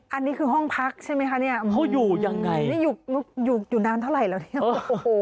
อันนี้คือห้องพักใช่ไหมคะเนี่ยเขาอยู่ยังไงนี่อยู่อยู่นานเท่าไหร่แล้วเนี่ยโอ้โห